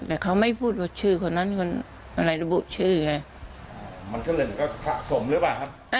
แต่เขาไม่พูดว่าชื่อคนนั้นคนอะไรระบุชื่อไงมันก็เลยก็สะสมหรือเปล่าครับ